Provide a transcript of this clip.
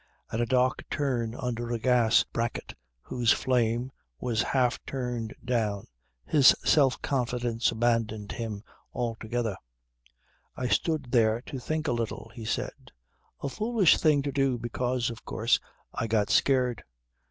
At a dark turn under a gas bracket whose flame was half turned down his self confidence abandoned him altogether. "I stood there to think a little," he said. "A foolish thing to do because of course I got scared.